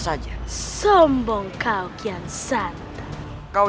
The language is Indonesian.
dan menangkap kake guru